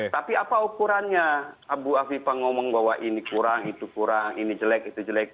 tapi apa ukurannya bu afifah ngomong bahwa ini kurang itu kurang ini jelek itu jelek